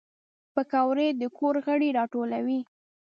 پکورې د کور غړي راټولوي